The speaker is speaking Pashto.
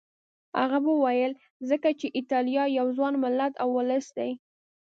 هغه وویل ځکه چې ایټالیا یو ځوان ملت او ولس دی.